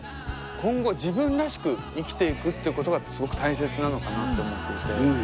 今後自分らしく生きていくっていうことがすごく大切なのかなと思っていて。